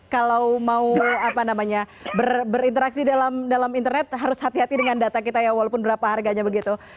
kalau mau berinteraksi dalam internet harus hati hati dengan data kita ya walaupun berapa harganya begitu